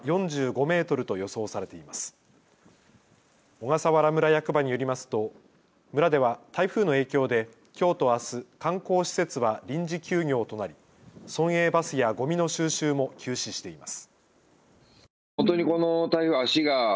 小笠原村役場によりますと村では台風の影響できょうとあす、観光施設は臨時休業となり村営バスやごみの収集も休止しています。